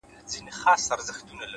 پرمختګ د پرلهپسې عمل پایله ده’